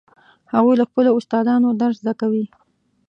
هغوی له خپلو استادانو درس زده کوي